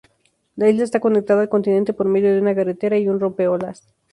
La isla está conectada al continente por medio de una carretera y un rompeolas.